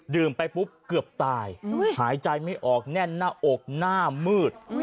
ไปปุ๊บเกือบตายหายใจไม่ออกแน่นหน้าอกหน้ามืด